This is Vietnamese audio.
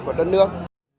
của đất nước